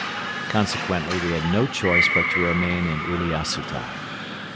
Consequently we had no choice but to remain in Uliassutai.